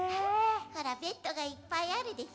ほらベッドがいっぱいあるでしょ。